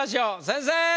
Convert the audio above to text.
先生！